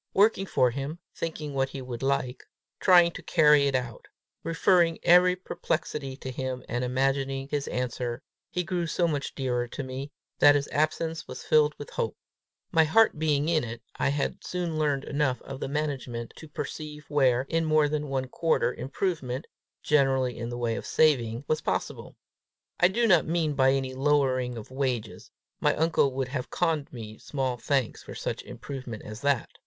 Working for him, thinking what he would like, trying to carry it out, referring every perplexity to him and imagining his answer, he grew so much dearer to me, that his absence was filled with hope. My heart being in it, I had soon learned enough of the management to perceive where, in more than one quarter, improvement, generally in the way of saving, was possible: I do not mean by any lowering of wages; my uncle would have conned me small thanks for such improvement as that!